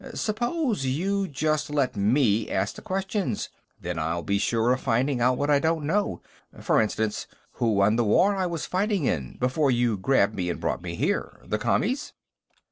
Suppose you just let me ask the questions; then I'll be sure of finding out what I don't know. For instance, who won the war I was fighting in, before you grabbed me and brought me here? The Commies?"